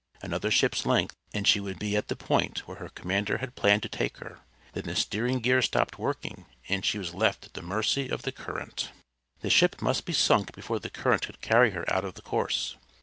Another ship's length, and she would be at the point where her commander had planned to take her; then the stearing gear stopped working, and she was left at the mercy of the current. The ship must be sunk before the current could carry her out of the course.